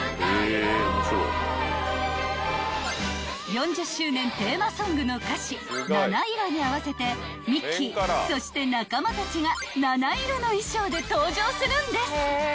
［４０周年テーマソングの歌詞「ｎａｎａｉｒｏ」に合わせてミッキーそして仲間たちが七色の衣装で登場するんです］